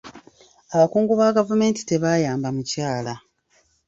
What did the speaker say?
Abakungu ba gavumenti tebaayamba mukyala .